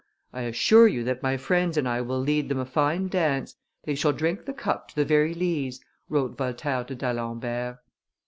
"I assure you that my friends and I will lead them a fine dance; they shall drink the cup to the very lees," wrote Voltaire to D'Alembert.